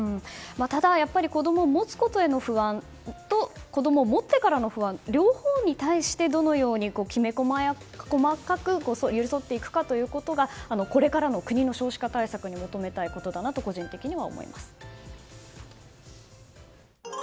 ただ、やっぱり子供を持つことへの不安と子供を持ってからの不安両方に対して、どのようにきめ細かく寄り添っていくかということがこれからの国の少子化対策に求めたいことだなと個人的には思います。